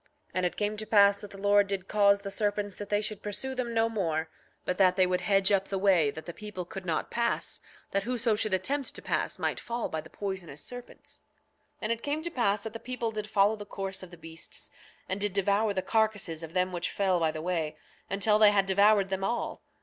9:33 And it came to pass that the Lord did cause the serpents that they should pursue them no more, but that they should hedge up the way that the people could not pass, that whoso should attempt to pass might fall by the poisonous serpents. 9:34 And it came to pass that the people did follow the course of the beasts, and did devour the carcasses of them which fell by the way, until they had devoured them all.